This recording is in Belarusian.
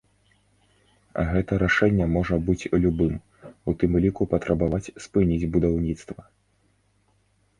Гэта рашэнне можа быць любым, у тым ліку патрабаваць спыніць будаўніцтва.